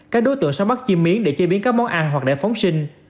các đối tượng sẽ bắt chim miến để chế biến các món ăn hoặc để phóng sinh